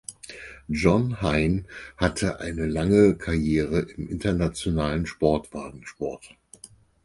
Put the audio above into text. John Hine hatte eine lange Karriere im internationalen Sportwagensport.